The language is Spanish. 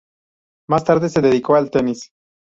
Más tarde se dedicó al tenis.